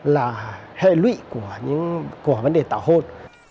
là hệ lụy của vấn đề tảo hôn